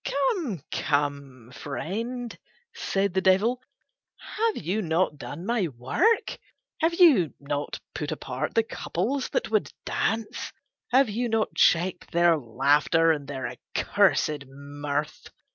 "Come, come, friend," said the Devil. "Have you not done my work? Have you not put apart the couples that would dance? Have you not checked their laughter and their accursed mirth?